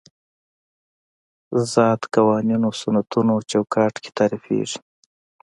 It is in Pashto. ذات قوانینو سنتونو چوکاټ کې تعریفېږي.